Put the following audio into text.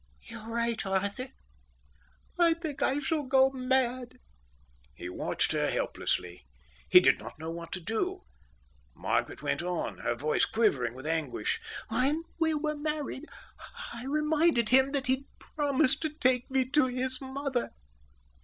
"You're right, Arthur, I think I shall go mad." He watched her helplessly. He did not know what to do. Margaret went on, her voice quivering with anguish. "When we were married, I reminded him that he'd promised to take me to his mother.